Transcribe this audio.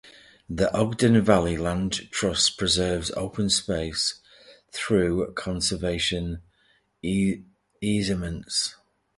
The Ogden Valley Land Trust preserves open space through conservation easements.